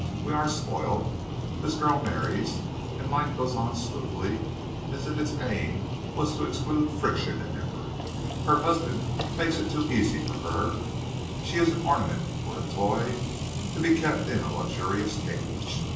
We are spoiled.... This girl marries. And life goes on smoothly, as if its aim was to exclude friction and effort. Her husband makes it too easy for her. She is an ornament, or a toy, to be kept in a luxurious cage.